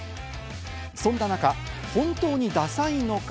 そんな中、本当にダサいのか？